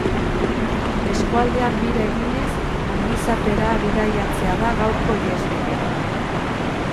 Eskualdean bira eginez ongizatera bidaiatzea da gaurko ihesbidea.